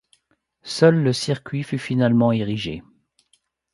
Seul le circuit fut finalement érigé.